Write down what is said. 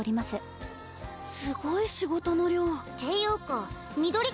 すごい仕事の量。